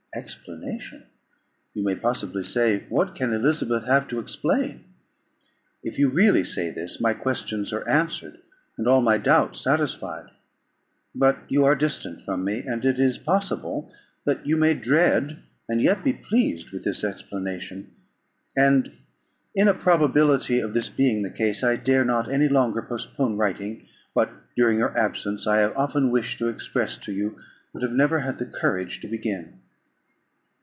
"Explanation! you may possibly say; what can Elizabeth have to explain? If you really say this, my questions are answered, and all my doubts satisfied. But you are distant from me, and it is possible that you may dread, and yet be pleased with this explanation; and, in a probability of this being the case, I dare not any longer postpone writing what, during your absence, I have often wished to express to you, but have never had the courage to begin.